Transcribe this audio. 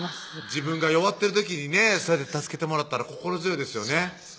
自分が弱ってる時にねそうやって助けてもらったら心強いですよね